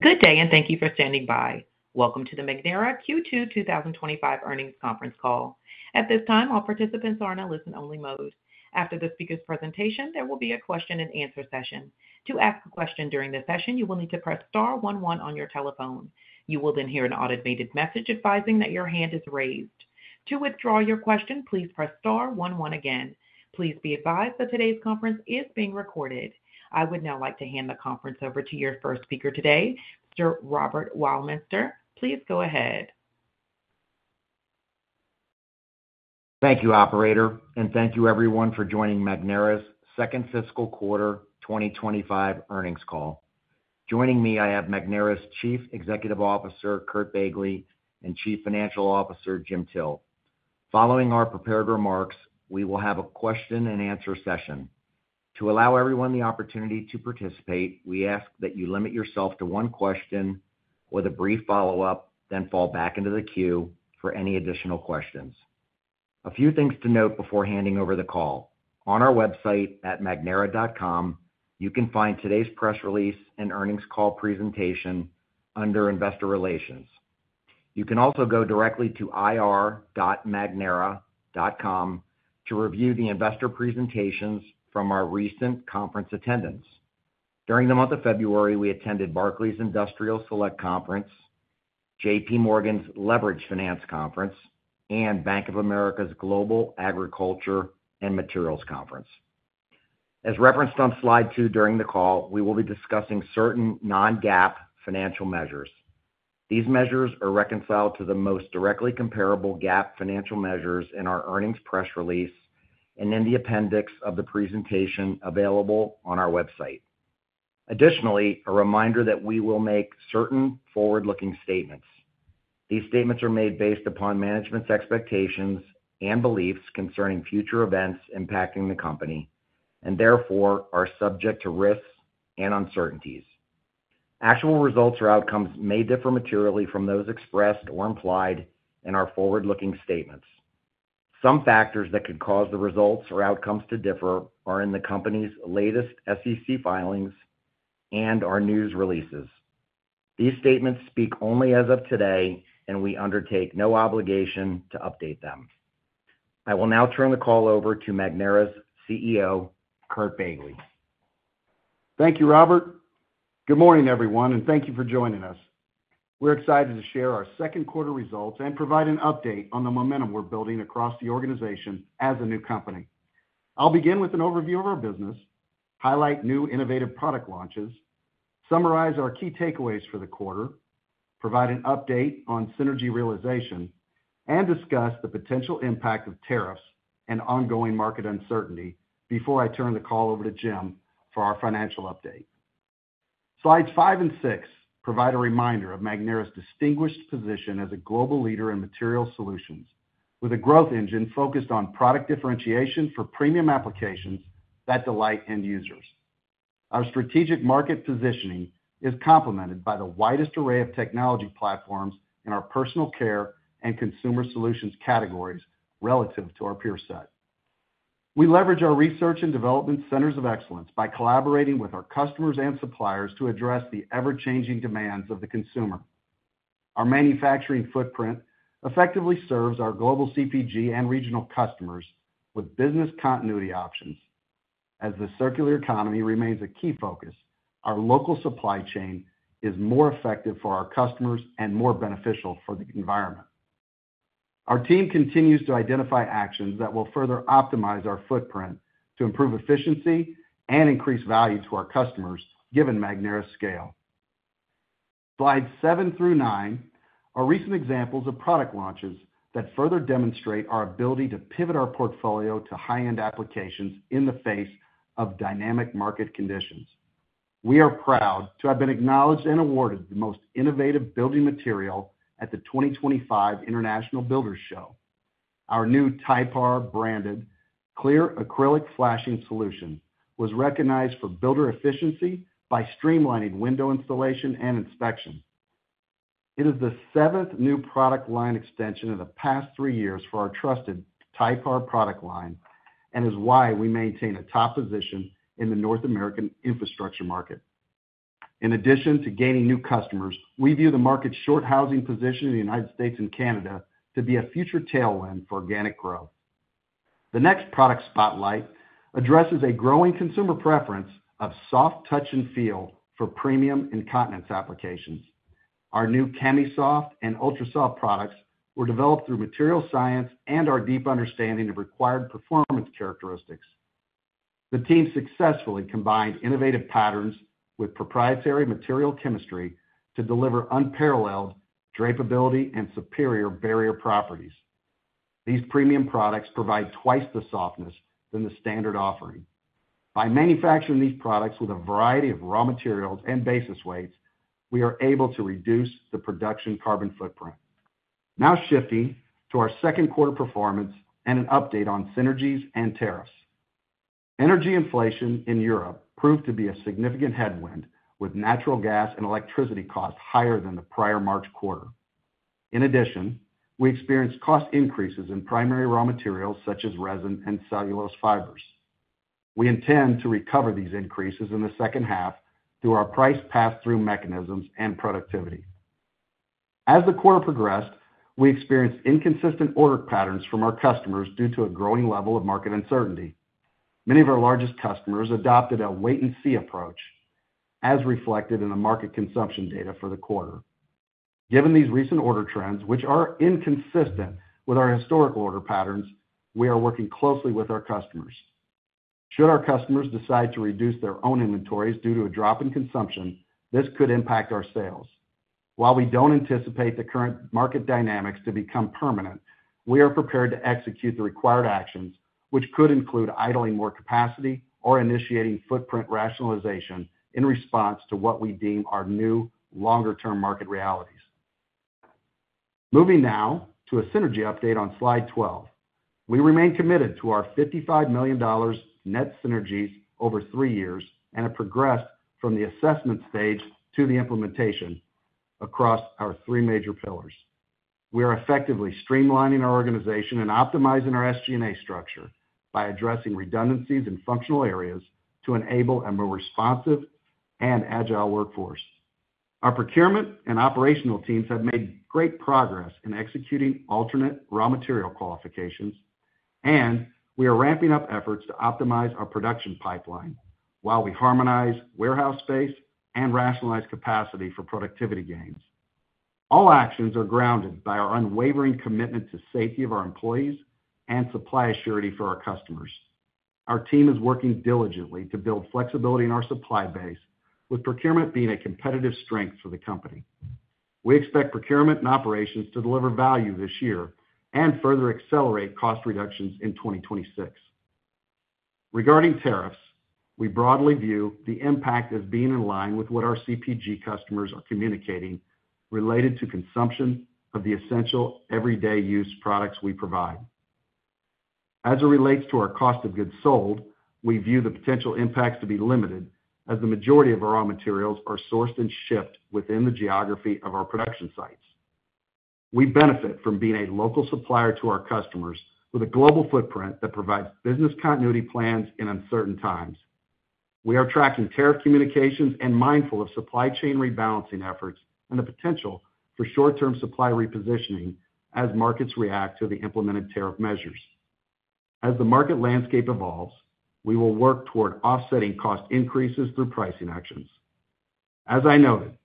Good day, and thank you for standing by. Welcome to the Magnera Q2 2025 Earnings Conference Call. At this time, all participants are in a listen-only mode. After the speaker's presentation, there will be a question-and-answer session. To ask a question during the session, you will need to press star one one on your telephone. You will then hear an automated message advising that your hand is raised. To withdraw your question, please press star 11 again. Please be advised that today's conference is being recorded. I would now like to hand the conference over to your first speaker today, Sir Robert Weilminster. Please go ahead. Thank you, Operator, and thank you, everyone, for joining Magnera's Second Fiscal Quarter 2025 Earnings Call. Joining me, I have Magnera's Chief Executive Officer, Curt Begle, and Chief Financial Officer, Jim Till. Following our prepared remarks, we will have a question-and-answer session. To allow everyone the opportunity to participate, we ask that you limit yourself to one question with a brief follow-up, then fall back into the queue for any additional questions. A few things to note before handing over the call: on our website at magnera.com, you can find today's press release and earnings call presentation under Investor Relations. You can also go directly to irmagnera.com to review the investor presentations from our recent conference attendance. During the month of February, we attended Barclays Industrial Select Conference, J.P. Morgan's Leverage Finance Conference, and Bank of America's Global Agriculture and Materials Conference. As referenced on slide two during the call, we will be discussing certain non-GAAP financial measures. These measures are reconciled to the most directly comparable GAAP financial measures in our earnings press release and in the appendix of the presentation available on our website. Additionally, a reminder that we will make certain forward-looking statements. These statements are made based upon management's expectations and beliefs concerning future events impacting the company and therefore are subject to risks and uncertainties. Actual results or outcomes may differ materially from those expressed or implied in our forward-looking statements. Some factors that could cause the results or outcomes to differ are in the company's latest SEC filings and our news releases. These statements speak only as of today, and we undertake no obligation to update them. I will now turn the call over to Magnera's CEO, Curt Begle. Thank you, Robert. Good morning, everyone, and thank you for joining us. We're excited to share our second quarter results and provide an update on the momentum we're building across the organization as a new company. I'll begin with an overview of our business, highlight new innovative product launches, summarize our key takeaways for the quarter, provide an update on synergy realization, and discuss the potential impact of tariffs and ongoing market uncertainty before I turn the call over to Jim for our financial update. Slides five and six provide a reminder of Magnera's distinguished position as a global leader in material solutions, with a growth engine focused on product differentiation for premium applications that delight end users. Our strategic market positioning is complemented by the widest array of technology platforms in our personal care and consumer solutions categories relative to our peer set. We leverage our research and development centers of excellence by collaborating with our customers and suppliers to address the ever-changing demands of the consumer. Our manufacturing footprint effectively serves our global CPG and regional customers with business continuity options. As the circular economy remains a key focus, our local supply chain is more effective for our customers and more beneficial for the environment. Our team continues to identify actions that will further optimize our footprint to improve efficiency and increase value to our customers, given Magnera's scale. Slides seven through nine are recent examples of product launches that further demonstrate our ability to pivot our portfolio to high-end applications in the face of dynamic market conditions. We are proud to have been acknowledged and awarded the most innovative building material at the 2025 International Builders Show. Our new Typar branded clear acrylic flashing solution was recognized for builder efficiency by streamlining window installation and inspection. It is the seventh new product line extension in the past three years for our trusted Typar product line and is why we maintain a top position in the North American infrastructure market. In addition to gaining new customers, we view the market's short housing position in the United States and Canada to be a future tailwind for organic growth. The next product spotlight addresses a growing consumer preference of soft touch and feel for premium incontinence applications. Our new KemiSoft and UltraSoft products were developed through material science and our deep understanding of required performance characteristics. The team successfully combined innovative patterns with proprietary material chemistry to deliver unparalleled drapability and superior barrier properties. These premium products provide twice the softness than the standard offering. By manufacturing these products with a variety of raw materials and basis weights, we are able to reduce the production carbon footprint. Now shifting to our second quarter performance and an update on synergies and tariffs. Energy inflation in Europe proved to be a significant headwind, with natural gas and electricity costs higher than the prior March quarter. In addition, we experienced cost increases in primary raw materials such as resin and cellulose fibers. We intend to recover these increases in the second half through our price pass-through mechanisms and productivity. As the quarter progressed, we experienced inconsistent order patterns from our customers due to a growing level of market uncertainty. Many of our largest customers adopted a wait-and-see approach, as reflected in the market consumption data for the quarter. Given these recent order trends, which are inconsistent with our historical order patterns, we are working closely with our customers. Should our customers decide to reduce their own inventories due to a drop in consumption, this could impact our sales. While we do not anticipate the current market dynamics to become permanent, we are prepared to execute the required actions, which could include idling more capacity or initiating footprint rationalization in response to what we deem our new longer-term market realities. Moving now to a synergy update on slide 12, we remain committed to our $55 million net synergies over three years and have progressed from the assessment stage to the implementation across our three major pillars. We are effectively streamlining our organization and optimizing our SG&A structure by addressing redundancies in functional areas to enable a more responsive and agile workforce. Our procurement and operational teams have made great progress in executing alternate raw material qualifications, and we are ramping up efforts to optimize our production pipeline while we harmonize warehouse space and rationalize capacity for productivity gains. All actions are grounded by our unwavering commitment to safety of our employees and supply assurity for our customers. Our team is working diligently to build flexibility in our supply base, with procurement being a competitive strength for the company. We expect procurement and operations to deliver value this year and further accelerate cost reductions in 2026. Regarding tariffs, we broadly view the impact as being in line with what our CPG customers are communicating related to consumption of the essential everyday use products we provide. As it relates to our cost of goods sold, we view the potential impacts to be limited as the majority of our raw materials are sourced and shipped within the geography of our production sites. We benefit from being a local supplier to our customers with a global footprint that provides business continuity plans in uncertain times. We are tracking tariff communications and mindful of supply chain rebalancing efforts and the potential for short-term supply repositioning as markets react to the implemented tariff measures. As the market landscape evolves, we will work toward offsetting cost increases through pricing actions. As I noted,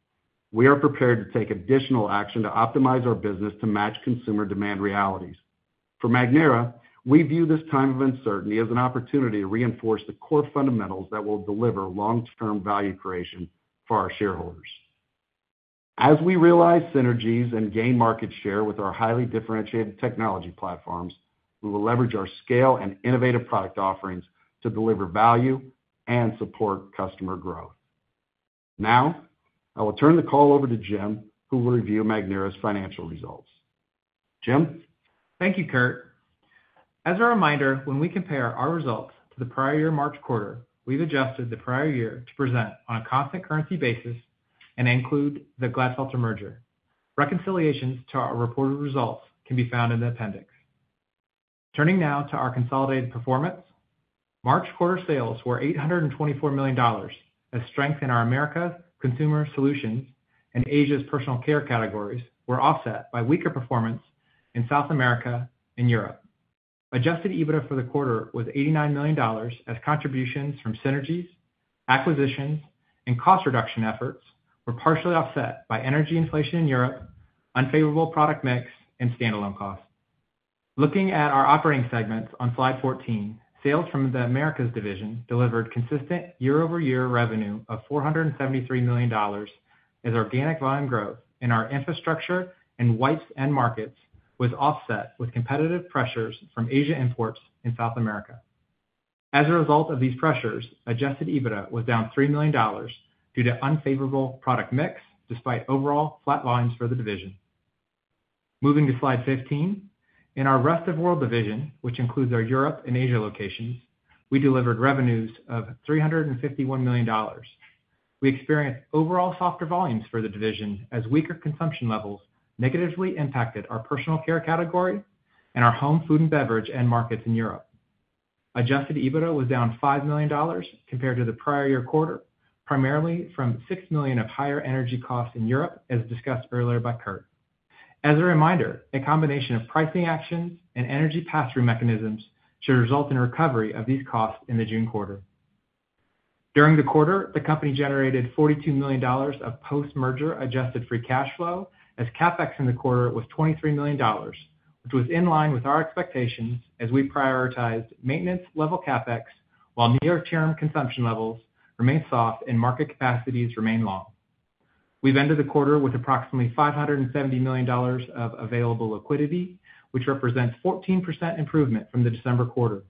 we are prepared to take additional action to optimize our business to match consumer demand realities. For Magnera, we view this time of uncertainty as an opportunity to reinforce the core fundamentals that will deliver long-term value creation for our shareholders. As we realize synergies and gain market share with our highly differentiated technology platforms, we will leverage our scale and innovative product offerings to deliver value and support customer growth. Now, I will turn the call over to Jim, who will review Magnera's financial results. Jim. Thank you, Curt. As a reminder, when we compare our results to the prior year March quarter, we've adjusted the prior year to present on a cost and currency basis and include the Glatfelter merger. Reconciliations to our reported results can be found in the appendix. Turning now to our consolidated performance, March quarter sales were $824 million, a strength in our America's consumer solutions and Asia's personal care categories, were offset by weaker performance in South America and Europe. Adjusted EBITDA for the quarter was $89 million as contributions from synergies, acquisitions, and cost reduction efforts were partially offset by energy inflation in Europe, unfavorable product mix, and standalone costs. Looking at our operating segments on slide 14, sales from the Americas division delivered consistent year-over-year revenue of $473 million as organic volume growth in our infrastructure and wipes markets was offset with competitive pressures from Asia imports in South America. As a result of these pressures, adjusted EBITDA was down $3 million due to unfavorable product mix despite overall flat volumes for the division. Moving to slide 15, in our rest of world division, which includes our Europe and Asia locations, we delivered revenues of $351 million. We experienced overall softer volumes for the division as weaker consumption levels negatively impacted our personal care category and our home food and beverage markets in Europe. Adjusted EBITDA was down $5 million compared to the prior year quarter, primarily from $6 million of higher energy costs in Europe, as discussed earlier by Curt. As a reminder, a combination of pricing actions and energy pass-through mechanisms should result in recovery of these costs in the June quarter. During the quarter, the company generated $42 million of post-merger adjusted free cash flow as CapEx in the quarter was $23 million, which was in line with our expectations as we prioritized maintenance level CapEx while near-term consumption levels remain soft and market capacities remain long. We ended the quarter with approximately $570 million of available liquidity, which represents 14% improvement from the December quarter.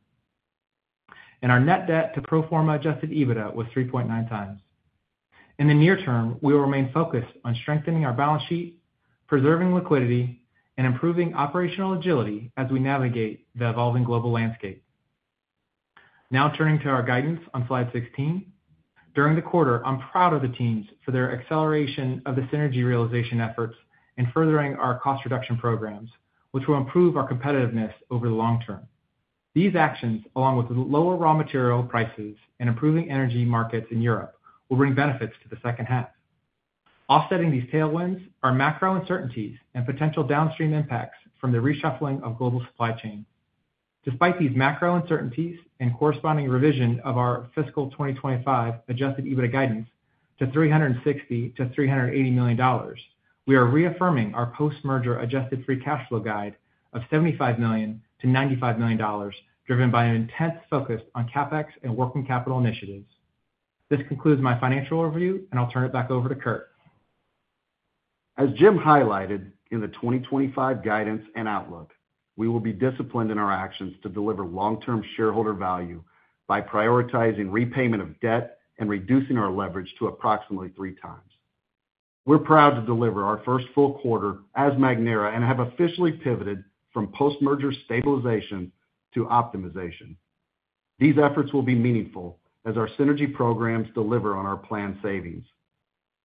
Our net debt to pro forma adjusted EBITDA was 3.9 times. In the near term, we will remain focused on strengthening our balance sheet, preserving liquidity, and improving operational agility as we navigate the evolving global landscape. Now turning to our guidance on slide 16, during the quarter, I'm proud of the teams for their acceleration of the synergy realization efforts and furthering our cost reduction programs, which will improve our competitiveness over the long term. These actions, along with lower raw material prices and improving energy markets in Europe, will bring benefits to the second half. Offsetting these tailwinds are macro uncertainties and potential downstream impacts from the reshuffling of global supply chain. Despite these macro uncertainties and corresponding revision of our fiscal 2025 adjusted EBITDA guidance to $360-$380 million, we are reaffirming our post-merger adjusted free cash flow guide of $75 million-$95 million, driven by an intense focus on CapEx and working capital initiatives. This concludes my financial review, and I'll turn it back over to Curt. As Jim highlighted in the 2025 guidance and outlook, we will be disciplined in our actions to deliver long-term shareholder value by prioritizing repayment of debt and reducing our leverage to approximately three times. We're proud to deliver our first full quarter as Magnera and have officially pivoted from post-merger stabilization to optimization. These efforts will be meaningful as our synergy programs deliver on our planned savings.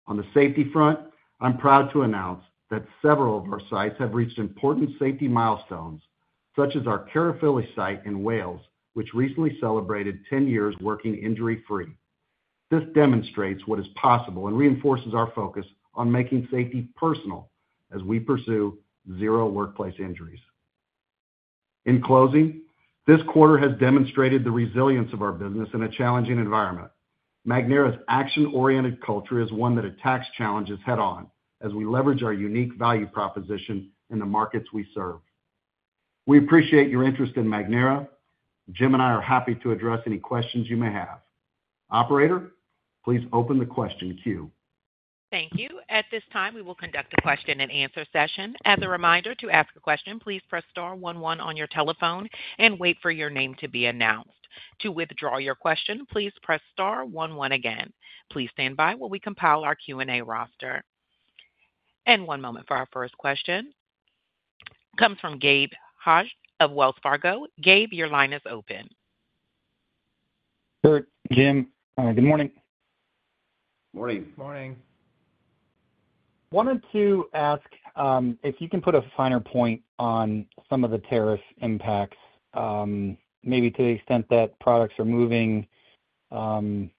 On the safety front, I'm proud to announce that several of our sites have reached important safety milestones, such as our Carefilly site in Wales, which recently celebrated 10 years working injury-free. This demonstrates what is possible and reinforces our focus on making safety personal as we pursue zero workplace injuries. In closing, this quarter has demonstrated the resilience of our business in a challenging environment. Magnera's action-oriented culture is one that attacks challenges head-on as we leverage our unique value proposition in the markets we serve. We appreciate your interest in Magnera. Jim and I are happy to address any questions you may have. Operator, please open the question queue. Thank you. At this time, we will conduct a question and answer session. As a reminder, to ask a question, please press star one one on your telephone and wait for your name to be announced. To withdraw your question, please press star one one again. Please stand by while we compile our Q&A roster. One moment for our first question. Comes from Gabe Hajde of Wells Fargo. Gabe, your line is open. Curt, Jim, good morning. Morning. Morning. Wanted to ask if you can put a finer point on some of the tariff impacts, maybe to the extent that products are moving into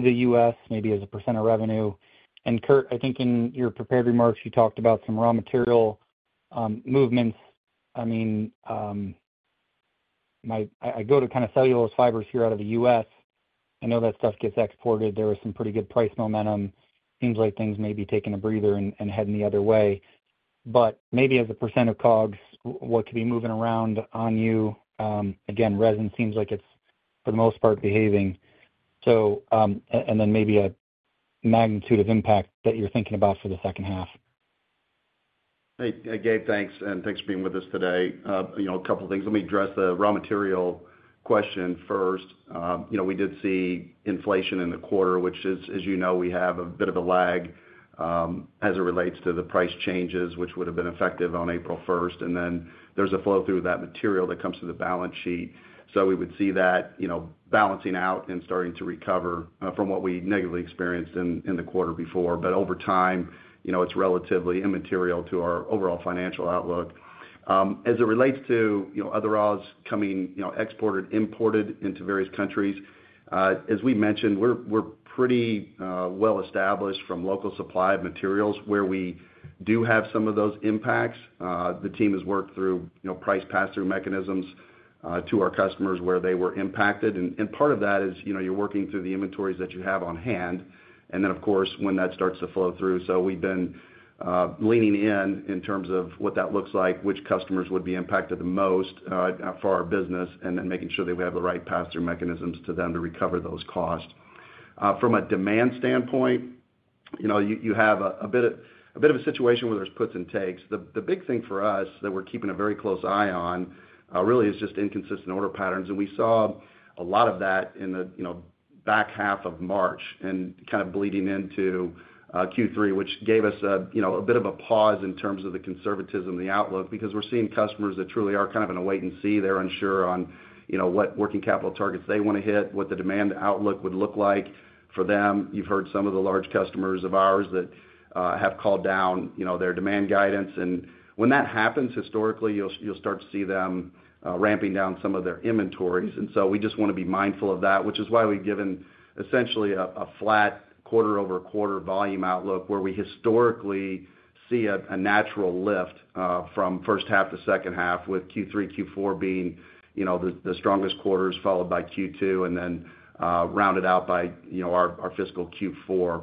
the U.S., maybe as a % of revenue. And Curt, I think in your prepared remarks, you talked about some raw material movements. I mean, I go to kind of cellulose fibers here out of the U.S. I know that stuff gets exported. There is some pretty good price momentum. Seems like things may be taking a breather and heading the other way. But maybe as a % of cogs, what could be moving around on you? Again, resin seems like it's, for the most part, behaving. And then maybe a magnitude of impact that you're thinking about for the second half. Hey, Gabe, thanks. And thanks for being with us today. A couple of things. Let me address the raw material question first. We did see inflation in the quarter, which is, as you know, we have a bit of a lag as it relates to the price changes, which would have been effective on April 1. Then there is a flow through that material that comes to the balance sheet. We would see that balancing out and starting to recover from what we negatively experienced in the quarter before. Over time, it is relatively immaterial to our overall financial outlook. As it relates to other raws coming exported, imported into various countries, as we mentioned, we are pretty well established from local supply of materials where we do have some of those impacts. The team has worked through price pass-through mechanisms to our customers where they were impacted. Part of that is you're working through the inventories that you have on hand. Of course, when that starts to flow through, we've been leaning in in terms of what that looks like, which customers would be impacted the most for our business, and then making sure that we have the right pass-through mechanisms to them to recover those costs. From a demand standpoint, you have a bit of a situation where there's puts and takes. The big thing for us that we're keeping a very close eye on really is just inconsistent order patterns. We saw a lot of that in the back half of March and kind of bleeding into Q3, which gave us a bit of a pause in terms of the conservatism, the outlook, because we're seeing customers that truly are kind of in a wait and see. They're unsure on what working capital targets they want to hit, what the demand outlook would look like for them. You've heard some of the large customers of ours that have called down their demand guidance. When that happens, historically, you'll start to see them ramping down some of their inventories. We just want to be mindful of that, which is why we've given essentially a flat quarter-over-quarter volume outlook where we historically see a natural lift from first half to second half, with Q3, Q4 being the strongest quarters, followed by Q2, and then rounded out by our fiscal Q4.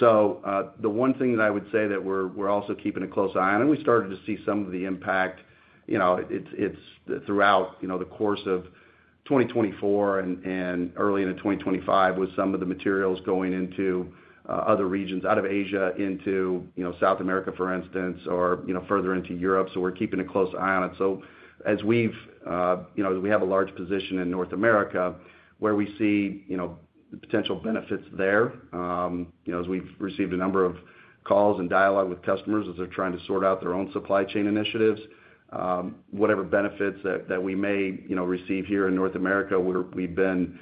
The one thing that I would say that we're also keeping a close eye on, and we started to see some of the impact, it's throughout the course of 2024 and early into 2025 with some of the materials going into other regions out of Asia into South America, for instance, or further into Europe. We're keeping a close eye on it. As we have a large position in North America where we see the potential benefits there, as we've received a number of calls and dialogue with customers as they're trying to sort out their own supply chain initiatives, whatever benefits that we may receive here in North America, we've been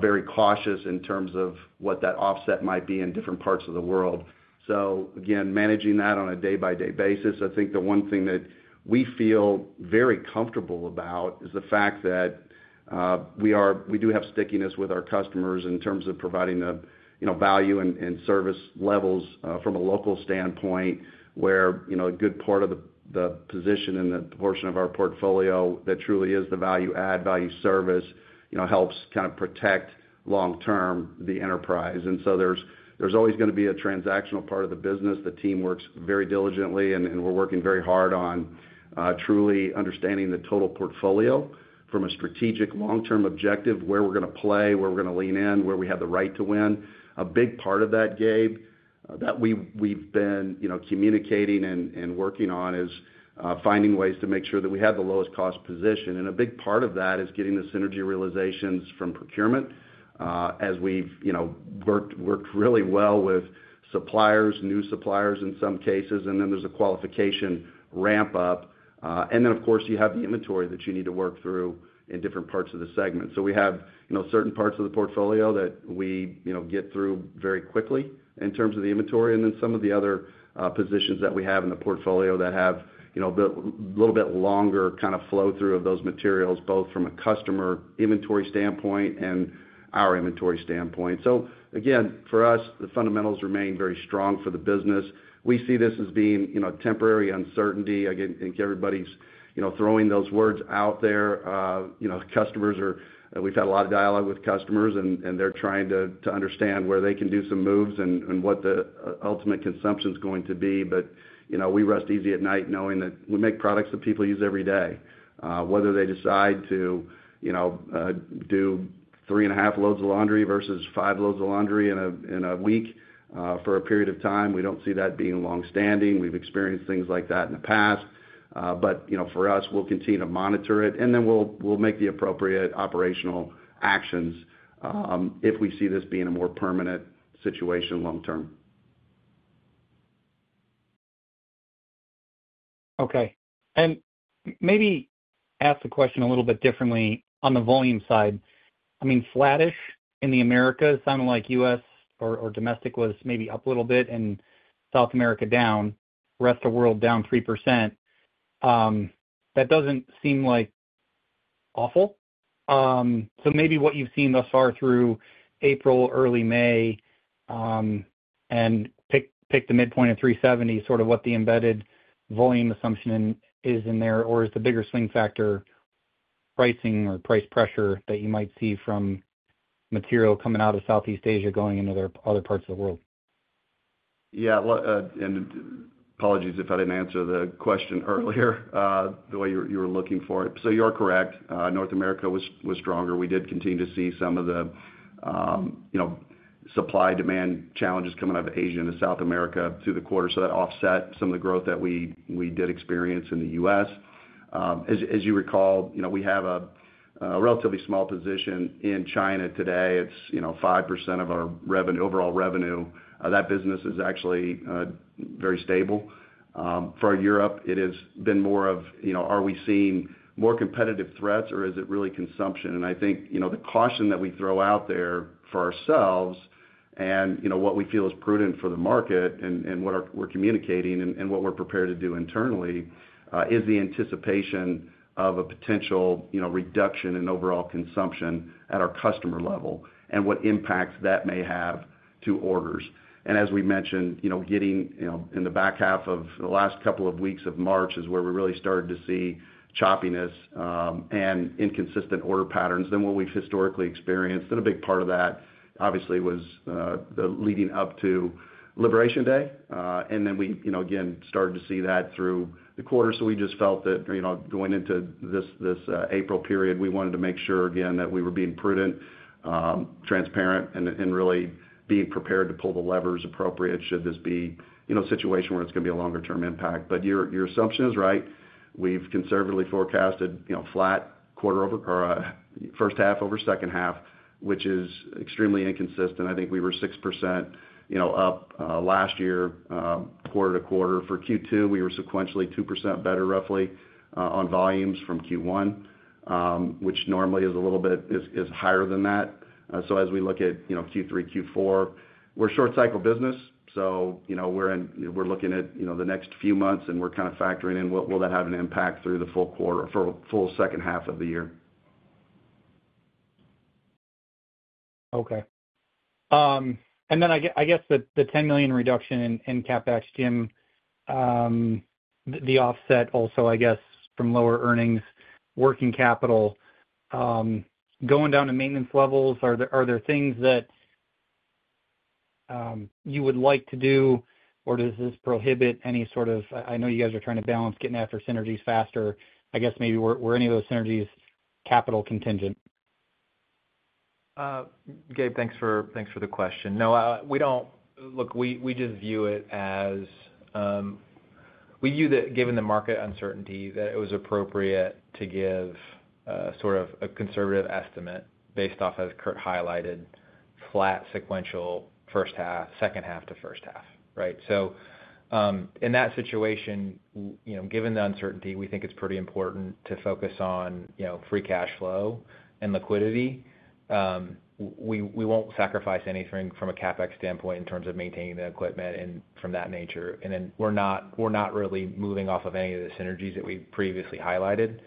very cautious in terms of what that offset might be in different parts of the world. Again, managing that on a day-by-day basis, I think the one thing that we feel very comfortable about is the fact that we do have stickiness with our customers in terms of providing the value and service levels from a local standpoint where a good part of the position and the portion of our portfolio that truly is the value-add, value service helps kind of protect long-term the enterprise. There is always going to be a transactional part of the business. The team works very diligently, and we're working very hard on truly understanding the total portfolio from a strategic long-term objective, where we're going to play, where we're going to lean in, where we have the right to win. A big part of that, Gabe, that we've been communicating and working on is finding ways to make sure that we have the lowest cost position. A big part of that is getting the synergy realizations from procurement as we have worked really well with suppliers, new suppliers in some cases, and then there is a qualification ramp-up. Of course, you have the inventory that you need to work through in different parts of the segment. We have certain parts of the portfolio that we get through very quickly in terms of the inventory, and then some of the other positions that we have in the portfolio that have a little bit longer kind of flow through of those materials, both from a customer inventory standpoint and our inventory standpoint. Again, for us, the fundamentals remain very strong for the business. We see this as being temporary uncertainty. I think everybody is throwing those words out there. Customers are, we've had a lot of dialogue with customers, and they're trying to understand where they can do some moves and what the ultimate consumption is going to be. We rest easy at night knowing that we make products that people use every day. Whether they decide to do three and a half loads of laundry versus five loads of laundry in a week for a period of time, we don't see that being long-standing. We've experienced things like that in the past. For us, we'll continue to monitor it, and then we'll make the appropriate operational actions if we see this being a more permanent situation long-term. Okay. Maybe ask the question a little bit differently on the volume side. I mean, flattish in the Americas, sounding like U.S. or domestic was maybe up a little bit and South America down, rest of the world down 3%. That does not seem like awful. Maybe what you have seen thus far through April, early May, and pick the midpoint of 370, sort of what the embedded volume assumption is in there, or is the bigger swing factor pricing or price pressure that you might see from material coming out of Southeast Asia going into other parts of the world? Yeah. Apologies if I did not answer the question earlier the way you were looking for it. You are correct. North America was stronger. We did continue to see some of the supply-demand challenges coming out of Asia and South America through the quarter. That offset some of the growth that we did experience in the U.S. As you recall, we have a relatively small position in China today. It is 5% of our overall revenue. That business is actually very stable. For Europe, it has been more of, are we seeing more competitive threats, or is it really consumption? I think the caution that we throw out there for ourselves and what we feel is prudent for the market and what we're communicating and what we're prepared to do internally is the anticipation of a potential reduction in overall consumption at our customer level and what impacts that may have to orders. As we mentioned, getting in the back half of the last couple of weeks of March is where we really started to see choppiness and inconsistent order patterns than what we've historically experienced. A big part of that, obviously, was leading up to Liberation Day. We again started to see that through the quarter. We just felt that going into this April period, we wanted to make sure, again, that we were being prudent, transparent, and really being prepared to pull the levers appropriate should this be a situation where it's going to be a longer-term impact. Your assumption is right. We've conservatively forecasted flat quarter over or first half over second half, which is extremely inconsistent. I think we were 6% up last year, quarter to quarter. For Q2, we were sequentially 2% better roughly on volumes from Q1, which normally is a little bit higher than that. As we look at Q3, Q4, we're short-cycle business. We're looking at the next few months, and we're kind of factoring in, will that have an impact through the full quarter or full second half of the year? Okay. I guess the $10 million reduction in CapEx, Jim, the offset also, I guess, from lower earnings, working capital, going down to maintenance levels, are there things that you would like to do, or does this prohibit any sort of—I know you guys are trying to balance getting after synergies faster. I guess maybe were any of those synergies capital contingent? Gabe, thanks for the question. No, look, we just view it as we view that, given the market uncertainty, that it was appropriate to give sort of a conservative estimate based off, as Curt highlighted, flat sequential first half, second half to first half, right? In that situation, given the uncertainty, we think it's pretty important to focus on free cash flow and liquidity. We won't sacrifice anything from a CapEx standpoint in terms of maintaining the equipment and from that nature. We're not really moving off of any of the synergies that we previously highlighted.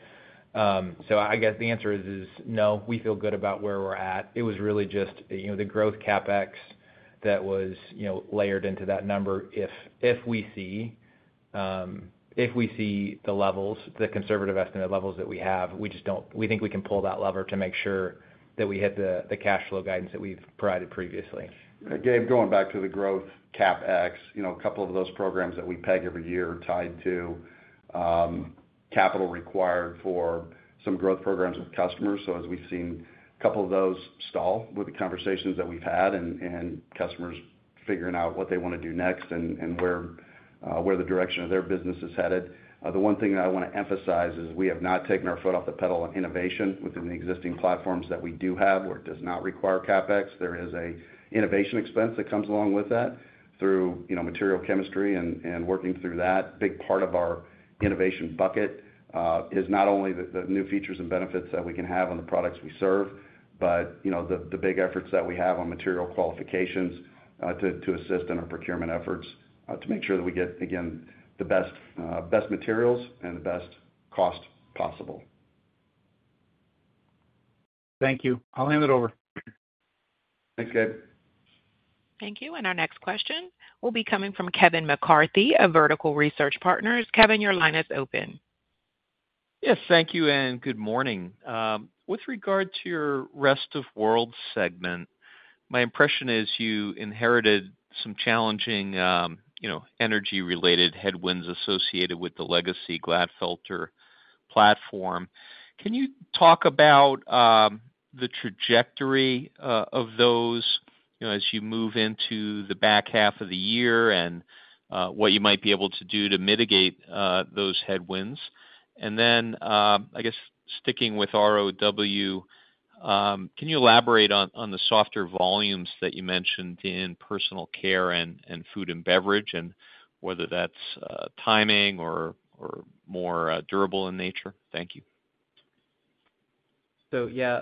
I guess the answer is no, we feel good about where we're at. It was really just the growth CapEx that was layered into that number. If we see the levels, the conservative estimate levels that we have, we think we can pull that lever to make sure that we hit the cash flow guidance that we've provided previously. Gabe, going back to the growth CapEx, a couple of those programs that we peg every year are tied to capital required for some growth programs with customers. As we have seen a couple of those stall with the conversations that we have had and customers figuring out what they want to do next and where the direction of their business is headed. The one thing that I want to emphasize is we have not taken our foot off the pedal on innovation within the existing platforms that we do have where it does not require CapEx. There is an innovation expense that comes along with that through material chemistry and working through that. Big part of our innovation bucket is not only the new features and benefits that we can have on the products we serve, but the big efforts that we have on material qualifications to assist in our procurement efforts to make sure that we get, again, the best materials and the best cost possible. Thank you. I'll hand it over. Thanks, Gabe. Thank you. Our next question will be coming from Kevin McCarthy of Vertical Research Partners. Kevin, your line is open. Yes, thank you and good morning. With regard to your rest of world segment, my impression is you inherited some challenging energy-related headwinds associated with the legacy Glatfelter platform. Can you talk about the trajectory of those as you move into the back half of the year and what you might be able to do to mitigate those headwinds? I guess, sticking with ROW, can you elaborate on the softer volumes that you mentioned in personal care and food and beverage and whether that's timing or more durable in nature? Thank you. Yeah,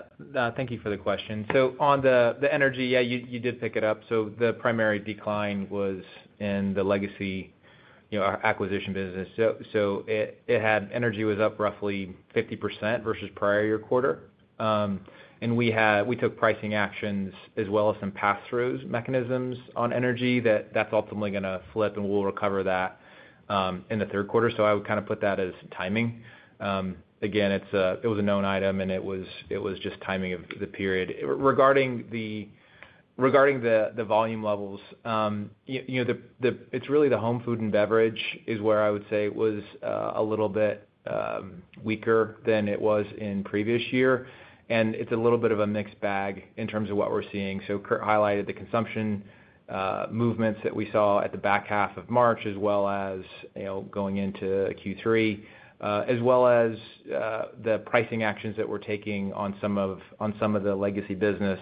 thank you for the question. On the energy, yeah, you did pick it up. The primary decline was in the legacy acquisition business. Energy was up roughly 50% versus prior year quarter. We took pricing actions as well as some pass-through mechanisms on energy. That is ultimately going to flip, and we'll recover that in the third quarter. I would kind of put that as timing. Again, it was a known item, and it was just timing of the period. Regarding the volume levels, it's really the home food and beverage is where I would say it was a little bit weaker than it was in previous year. It's a little bit of a mixed bag in terms of what we're seeing. Curt highlighted the consumption movements that we saw at the back half of March as well as going into Q3, as well as the pricing actions that we are taking on some of the legacy business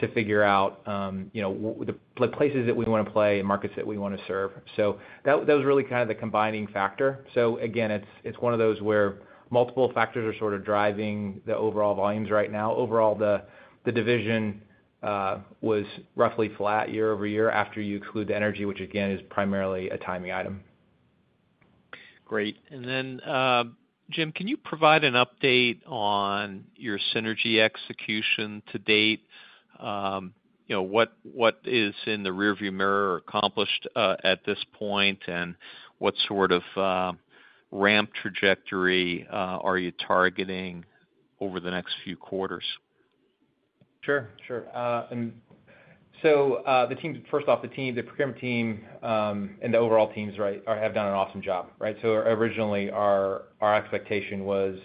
to figure out the places that we want to play and markets that we want to serve. That was really kind of the combining factor. Again, it is one of those where multiple factors are sort of driving the overall volumes right now. Overall, the division was roughly flat year over year after you exclude the energy, which again is primarily a timing item. Great. Jim, can you provide an update on your synergy execution to date? What is in the rearview mirror accomplished at this point, and what sort of ramp trajectory are you targeting over the next few quarters? Sure. Sure. The team, first off, the team, the procurement team and the overall teams have done an awesome job, right? Originally, our expectation was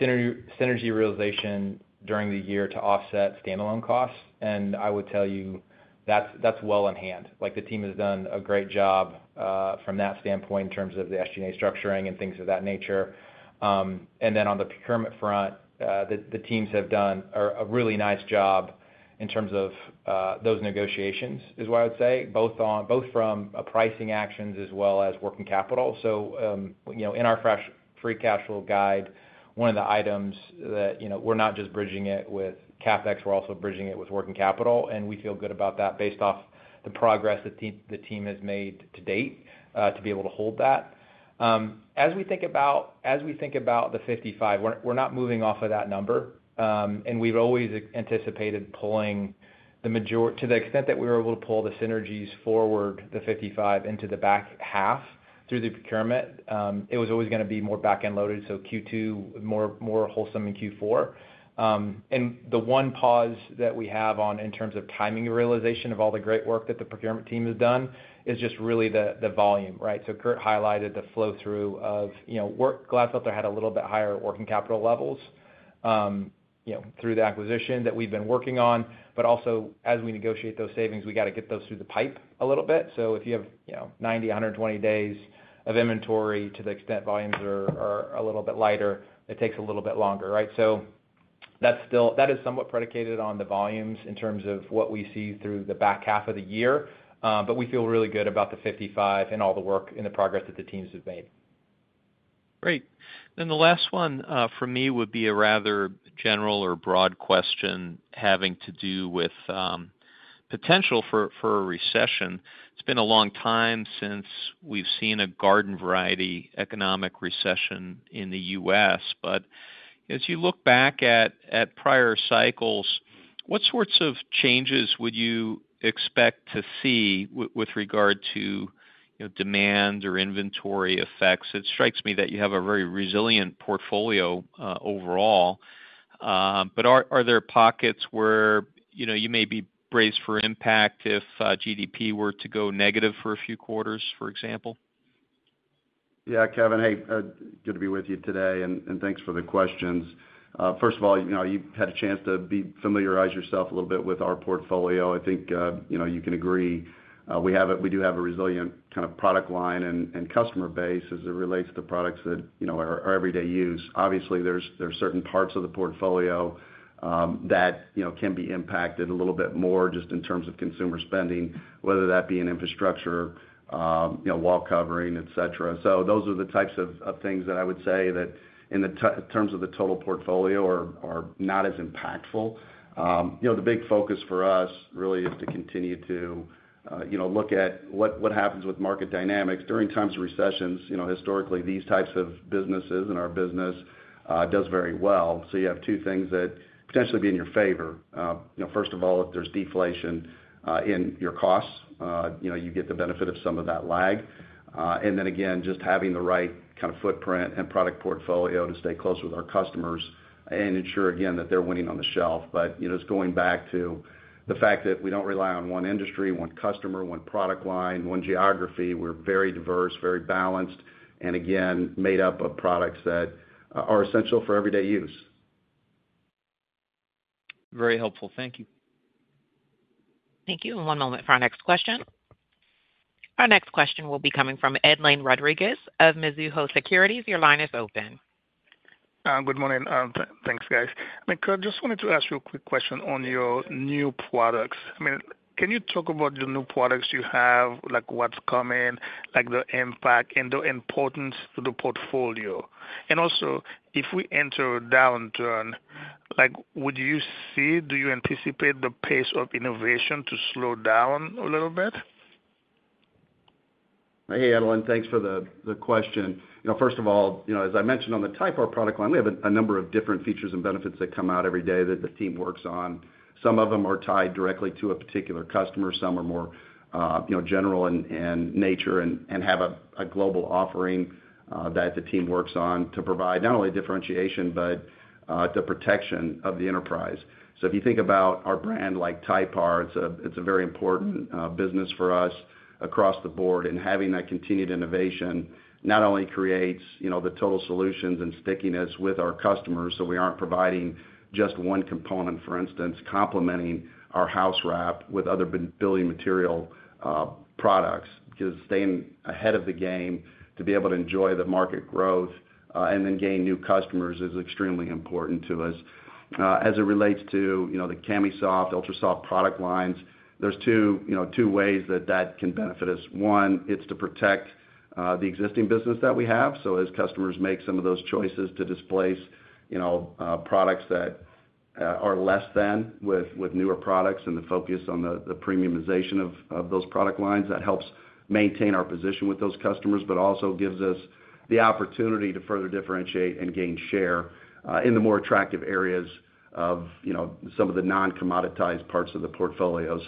synergy realization during the year to offset standalone costs. I would tell you that's well in hand. The team has done a great job from that standpoint in terms of the SG&A structuring and things of that nature. On the procurement front, the teams have done a really nice job in terms of those negotiations is what I would say, both from pricing actions as well as working capital. In our fresh free cash flow guide, one of the items that we're not just bridging it with CapEx, we're also bridging it with working capital. We feel good about that based off the progress the team has made to date to be able to hold that. As we think about the 55, we're not moving off of that number. We've always anticipated pulling the, to the extent that we were able to pull the synergies forward, the 55 into the back half through the procurement, it was always going to be more back-end loaded. Q2, more wholesome in Q4. The one pause that we have on in terms of timing realization of all the great work that the procurement team has done is just really the volume, right? Curt highlighted the flow through of Glatfelter had a little bit higher working capital levels through the acquisition that we've been working on. Also, as we negotiate those savings, we got to get those through the pipe a little bit. If you have 90, 120 days of inventory, to the extent volumes are a little bit lighter, it takes a little bit longer, right? That is somewhat predicated on the volumes in terms of what we see through the back half of the year. We feel really good about the 55 and all the work and the progress that the teams have made. Great. The last one for me would be a rather general or broad question having to do with potential for a recession. It's been a long time since we've seen a garden-variety economic recession in the U.S. As you look back at prior cycles, what sorts of changes would you expect to see with regard to demand or inventory effects? It strikes me that you have a very resilient portfolio overall. Are there pockets where you may be braced for impact if GDP were to go negative for a few quarters, for example? Yeah, Kevin, hey, good to be with you today. Thanks for the questions. First of all, you've had a chance to familiarize yourself a little bit with our portfolio. I think you can agree we do have a resilient kind of product line and customer base as it relates to products that are everyday use. Obviously, there are certain parts of the portfolio that can be impacted a little bit more just in terms of consumer spending, whether that be in infrastructure, wall covering, etc. Those are the types of things that I would say that in terms of the total portfolio are not as impactful. The big focus for us really is to continue to look at what happens with market dynamics during times of recessions. Historically, these types of businesses and our business do very well. You have two things that potentially be in your favor. First of all, if there's deflation in your costs, you get the benefit of some of that lag. And then again, just having the right kind of footprint and product portfolio to stay close with our customers and ensure, again, that they're winning on the shelf. It is going back to the fact that we do not rely on one industry, one customer, one product line, one geography. We are very diverse, very balanced, and again, made up of products that are essential for everyday use. Very helpful. Thank you. Thank you. One moment for our next question. Our next question will be coming from Edlain Rodriguez of Mizuho Securities. Your line is open. Good morning. Thanks, guys. I mean, Curt, just wanted to ask you a quick question on your new products. I mean, can you talk about the new products you have, like what's coming, like the impact and the importance to the portfolio? Also, if we enter a downturn, would you see, do you anticipate the pace of innovation to slow down a little bit? Hey, Edlain, thanks for the question. First of all, as I mentioned on the Typar product line, we have a number of different features and benefits that come out every day that the team works on. Some of them are tied directly to a particular customer. Some are more general in nature and have a global offering that the team works on to provide not only differentiation, but the protection of the enterprise. If you think about our brand like Typar, it's a very important business for us across the board. Having that continued innovation not only creates the total solutions and stickiness with our customers, so we aren't providing just one component, for instance, complementing our house wrap with other building material products because staying ahead of the game to be able to enjoy the market growth and then gain new customers is extremely important to us. As it relates to the KemiSoft UltraSoft product lines, there's two ways that that can benefit us. One, it's to protect the existing business that we have. As customers make some of those choices to displace products that are less than with newer products and the focus on the premiumization of those product lines, that helps maintain our position with those customers, but also gives us the opportunity to further differentiate and gain share in the more attractive areas of some of the non-commoditized parts of the portfolio.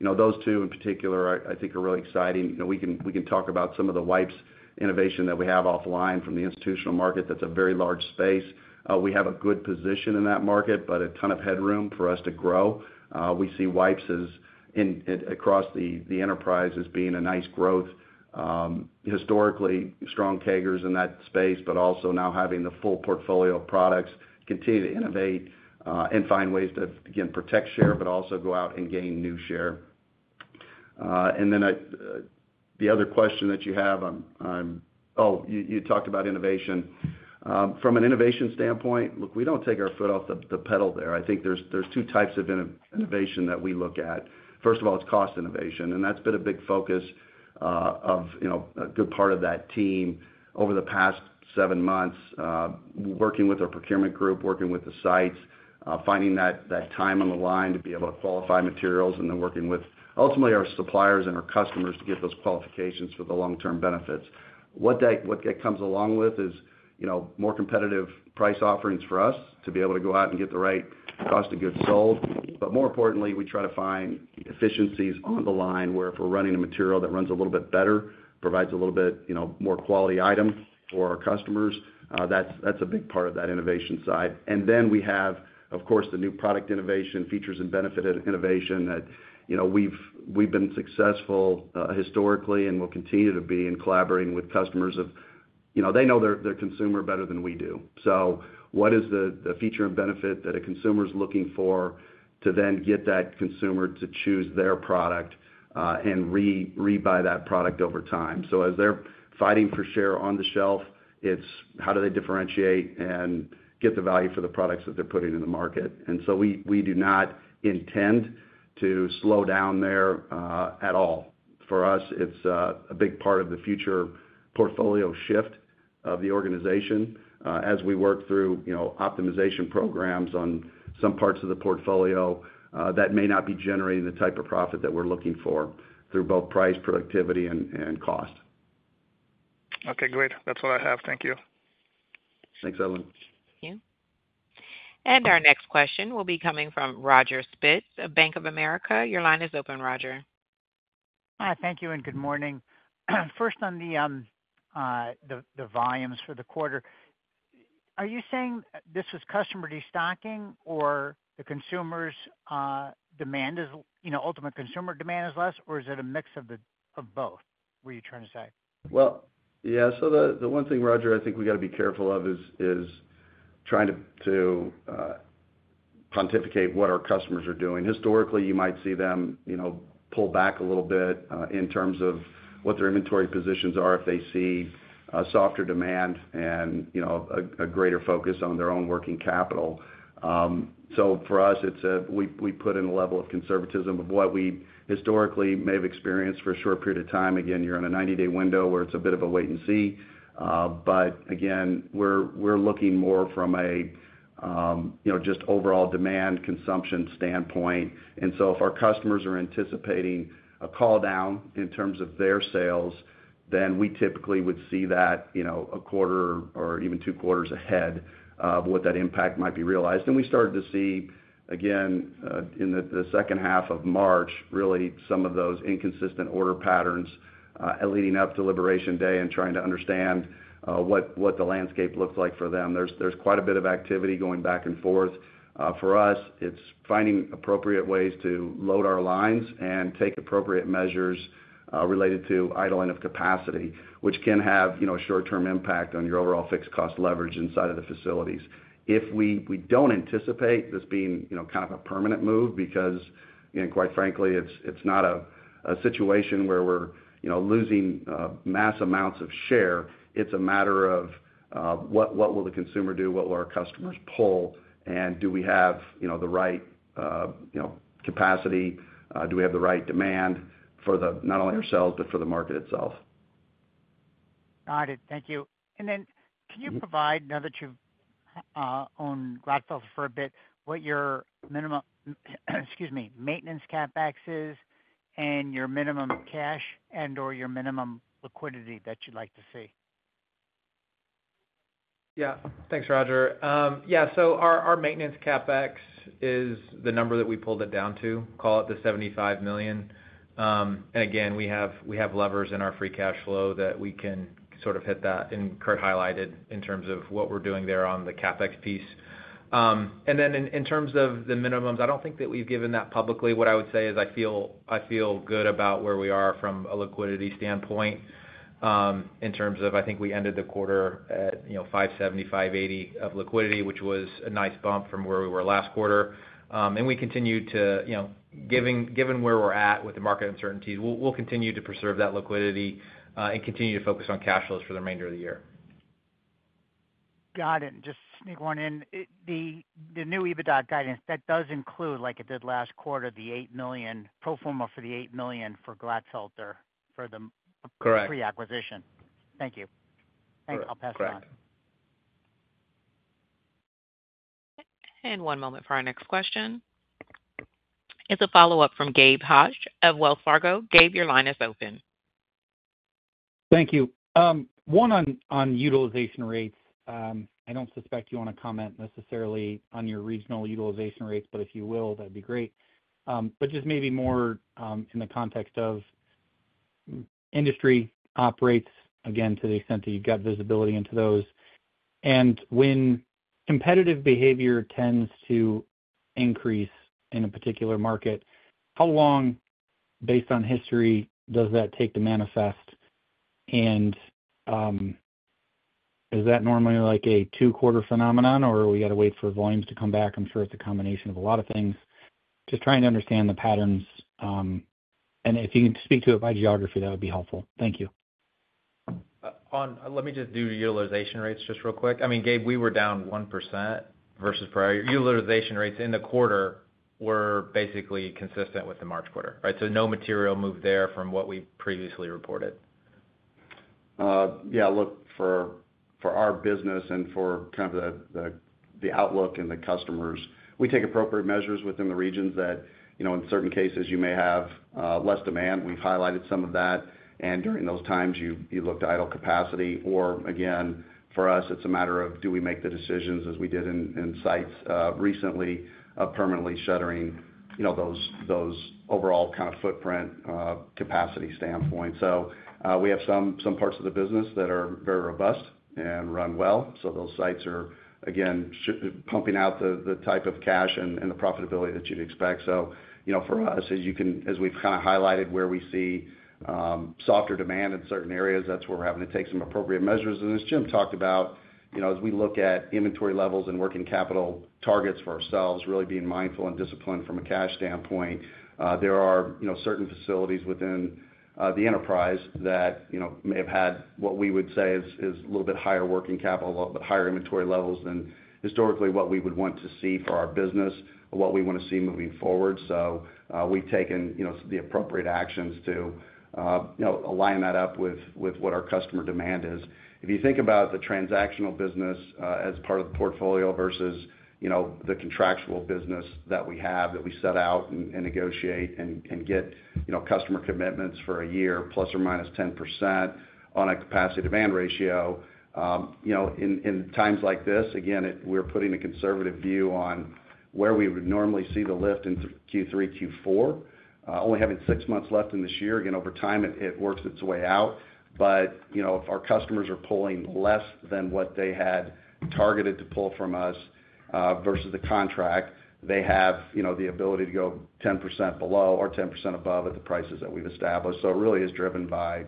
Those two in particular, I think, are really exciting. We can talk about some of the wipes innovation that we have offline from the institutional market. That's a very large space. We have a good position in that market, but a ton of headroom for us to grow. We see wipes across the enterprise as being a nice growth. Historically, strong CAGRs in that space, but also now having the full portfolio of products, continue to innovate and find ways to, again, protect share, but also go out and gain new share. The other question that you have on, oh, you talked about innovation. From an innovation standpoint, look, we do not take our foot off the pedal there. I think there are two types of innovation that we look at. First of all, it is cost innovation. That has been a big focus of a good part of that team over the past seven months, working with our procurement group, working with the sites, finding that time on the line to be able to qualify materials and then working with ultimately our suppliers and our customers to get those qualifications for the long-term benefits. What that comes along with is more competitive price offerings for us to be able to go out and get the right cost of goods sold. More importantly, we try to find efficiencies on the line where if we're running a material that runs a little bit better, provides a little bit more quality item for our customers. That's a big part of that innovation side. We have, of course, the new product innovation, features and benefit innovation that we've been successful historically and will continue to be in collaborating with customers, as they know their consumer better than we do. What is the feature and benefit that a consumer is looking for to then get that consumer to choose their product and rebuy that product over time? As they're fighting for share on the shelf, it's how do they differentiate and get the value for the products that they're putting in the market? We do not intend to slow down there at all. For us, it's a big part of the future portfolio shift of the organization as we work through optimization programs on some parts of the portfolio that may not be generating the type of profit that we're looking for through both price, productivity, and cost. Okay. Great. That's what I have. Thank you. Thanks, Edlain. Thank you. Our next question will be coming from Roger Spitz of Bank of America. Your line is open, Roger. Hi. Thank you and good morning. First, on the volumes for the quarter, are you saying this was customer destocking or the consumer's demand is ultimate consumer demand is less, or is it a mix of both? What are you trying to say? Yeah. The one thing, Roger, I think we got to be careful of is trying to pontificate what our customers are doing. Historically, you might see them pull back a little bit in terms of what their inventory positions are if they see softer demand and a greater focus on their own working capital. For us, we put in a level of conservatism of what we historically may have experienced for a short period of time. Again, you're on a 90-day window where it's a bit of a wait and see. Again, we're looking more from a just overall demand consumption standpoint. If our customers are anticipating a call down in terms of their sales, then we typically would see that a quarter or even two quarters ahead of what that impact might be realized. We started to see, again, in the second half of March, really some of those inconsistent order patterns leading up to Liberation Day and trying to understand what the landscape looks like for them. There is quite a bit of activity going back and forth. For us, it is finding appropriate ways to load our lines and take appropriate measures related to idling of capacity, which can have a short-term impact on your overall fixed cost leverage inside of the facilities. We do not anticipate this being kind of a permanent move because, quite frankly, it is not a situation where we are losing mass amounts of share, it is a matter of what will the consumer do, what will our customers pull, and do we have the right capacity, do we have the right demand for not only ourselves, but for the market itself? Got it. Thank you. Can you provide, now that you've owned Glatfelter for a bit, what your minimum—excuse me—maintenance CapEx is and your minimum cash and/or your minimum liquidity that you'd like to see? Yeah. Thanks, Roger. Yeah. Our maintenance CapEx is the number that we pulled it down to, call it the $75 million. Again, we have levers in our free cash flow that we can sort of hit that, and Curt highlighted in terms of what we're doing there on the CapEx piece. In terms of the minimums, I do not think that we have given that publicly. What I would say is I feel good about where we are from a liquidity standpoint in terms of I think we ended the quarter at $575 million, $80 million of liquidity, which was a nice bump from where we were last quarter. We continue to, given where we are at with the market uncertainties, preserve that liquidity and continue to focus on cash flows for the remainder of the year. Got it. And just sneak one in. The new EBITDA guidance, that does include, like it did last quarter, the $8 million pro forma for the $8 million for Glatfelter for the pre-acquisition. Correct. Thank you. Thanks. I'll pass it on. Correct. One moment for our next question. It's a follow-up from Gabe Hajde of Wells Fargo. Gabe, your line is open. Thank you. One on utilization rates. I do not suspect you want to comment necessarily on your regional utilization rates, but if you will, that would be great. Just maybe more in the context of industry operates, again, to the extent that you have got visibility into those. When competitive behavior tends to increase in a particular market, how long, based on history, does that take to manifest? Is that normally like a two-quarter phenomenon, or do we have to wait for volumes to come back? I am sure it is a combination of a lot of things. Just trying to understand the patterns. If you can speak to it by geography, that would be helpful. Thank you. Let me just do utilization rates just real quick. I mean, Gabe, we were down 1% versus prior. Utilization rates in the quarter were basically consistent with the March quarter, right? No material move there from what we previously reported. Yeah. Look, for our business and for kind of the outlook and the customers, we take appropriate measures within the regions that in certain cases, you may have less demand. We have highlighted some of that. During those times, you look to idle capacity. For us, it is a matter of do we make the decisions as we did in sites recently of permanently shuttering those overall kind of footprint capacity standpoint. We have some parts of the business that are very robust and run well. Those sites are, again, pumping out the type of cash and the profitability that you would expect. For us, as we've kind of highlighted where we see softer demand in certain areas, that's where we're having to take some appropriate measures. As Jim talked about, as we look at inventory levels and working capital targets for ourselves, really being mindful and disciplined from a cash standpoint, there are certain facilities within the enterprise that may have had what we would say is a little bit higher working capital, a little bit higher inventory levels than historically what we would want to see for our business, what we want to see moving forward. We've taken the appropriate actions to align that up with what our customer demand is. If you think about the transactional business as part of the portfolio versus the contractual business that we have that we set out and negotiate and get customer commitments for a year 10% on a capacity demand ratio, in times like this, again, we're putting a conservative view on where we would normally see the lift in Q3, Q4. Only having six months left in this year. Again, over time, it works its way out. If our customers are pulling less than what they had targeted to pull from us versus the contract, they have the ability to go 10% below or 10% above at the prices that we've established. It really is driven by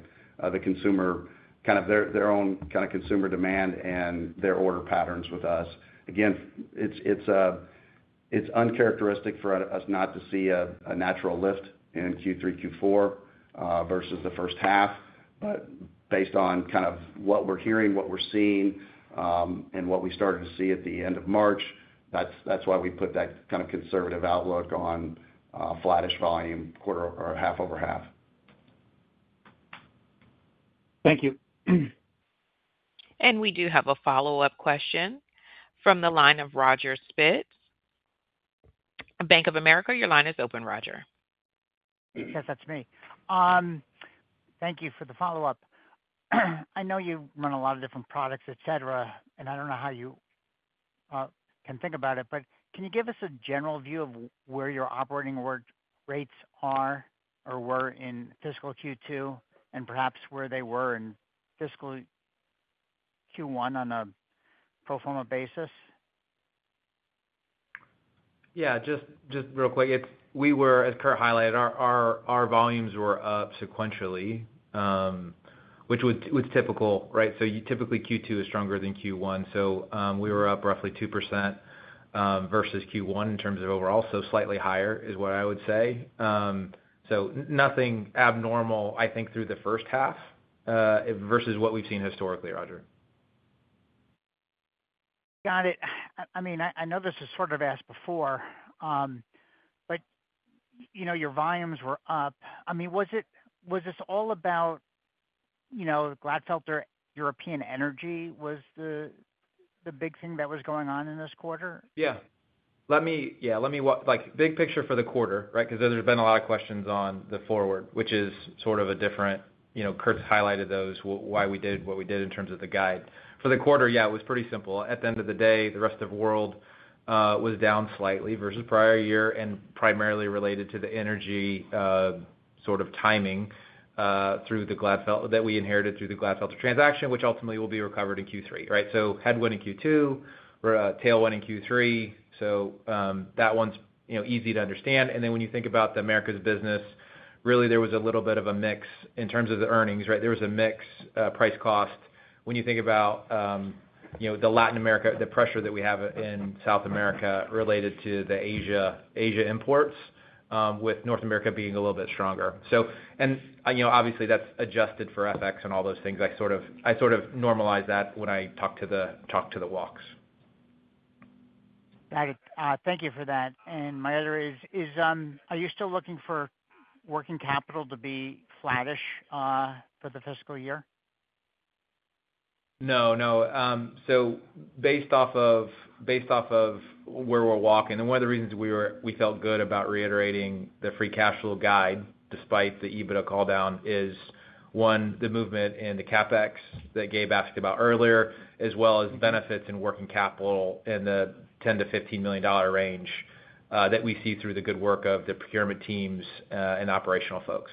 the consumer, kind of their own kind of consumer demand and their order patterns with us. Again, it's uncharacteristic for us not to see a natural lift in Q3, Q4 versus the first half. Based on kind of what we're hearing, what we're seeing, and what we started to see at the end of March, that's why we put that kind of conservative outlook on flattish volume quarter or half over half. Thank you. We do have a follow-up question from the line of Roger Spitz. Bank of America, your line is open, Roger. Yes, that's me. Thank you for the follow-up. I know you run a lot of different products, etc., and I don't know how you can think about it, but can you give us a general view of where your operating rates are or were in fiscal Q2 and perhaps where they were in fiscal Q1 on a pro forma basis? Yeah. Just real quick, as Curt highlighted, our volumes were up sequentially, which was typical, right? Typically, Q2 is stronger than Q1. We were up roughly 2% versus Q1 in terms of overall, so slightly higher is what I would say. Nothing abnormal, I think, through the first half versus what we've seen historically, Roger. Got it. I mean, I know this is sort of asked before, but your volumes were up. I mean, was this all about Glatfelter European energy was the big thing that was going on in this quarter? Yeah. Yeah. Let me walk big picture for the quarter, right? Because there's been a lot of questions on the forward, which is sort of a different Curt's highlighted those, why we did what we did in terms of the guide. For the quarter, yeah, it was pretty simple. At the end of the day, the rest of the world was down slightly versus prior year and primarily related to the energy sort of timing through the Glatfelter that we inherited through the Glatfelter transaction, which ultimately will be recovered in Q3, right? Headwind in Q2, tailwind in Q3. That one's easy to understand. And then when you think about the America's business, really, there was a little bit of a mix in terms of the earnings, right? There was a mix price cost. When you think about the Latin America, the pressure that we have in South America related to the Asia imports with North America being a little bit stronger. Obviously, that's adjusted for FX and all those things. I sort of normalized that when I talked to the walks. Got it. Thank you for that. My other is, are you still looking for working capital to be flattish for the fiscal year? No, no. So based off of where we're walking, one of the reasons we felt good about reiterating the free cash flow guide despite the EBITDA call down is, one, the movement in the CapEx that Gabe asked about earlier, as well as benefits in working capital in the $10-15 million range that we see through the good work of the procurement teams and operational folks.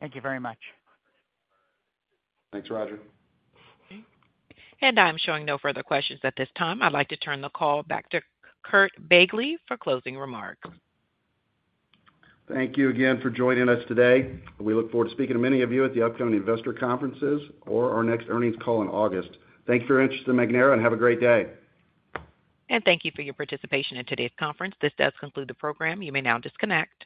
Thank you very much. Thanks, Roger. I'm showing no further questions at this time. I'd like to turn the call back to Curt Begle for closing remarks. Thank you again for joining us today. We look forward to speaking to many of you at the upcoming investor conferences or our next earnings call in August. Thank you for your interest in Magnera, and have a great day. Thank you for your participation in today's conference. This does conclude the program. You may now disconnect.